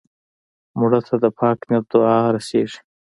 مړه ته د پاک نیت دعا رسېږي